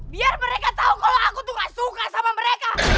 biar mereka tahu kalau aku tuh gak suka sama mereka